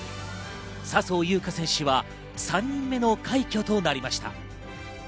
笹生優花選手は３人目の快挙となりました。